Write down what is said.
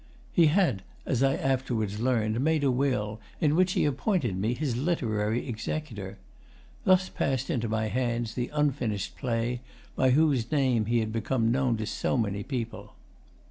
He had, as I afterwards learned, made a will in which he appointed me his literary executor. Thus passed into my hands the unfinished play by whose name he had become known to so many people.